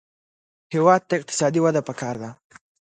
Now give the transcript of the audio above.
هېواد ته اقتصادي وده پکار ده